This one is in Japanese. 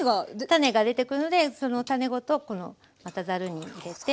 種が出てくるのでその種ごとこのまたざるに入れて。